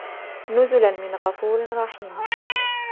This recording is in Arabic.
نُزُلًا مِنْ غَفُورٍ رَحِيمٍ